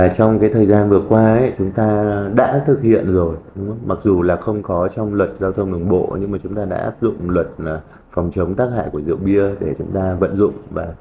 chúng ta đã áp dụng luật phòng chống tác hại của rượu bia để chúng ta vận dụng